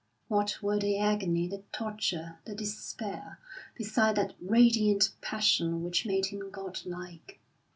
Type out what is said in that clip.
What were the agony, the torture, the despair, beside that radiant passion which made him godlike?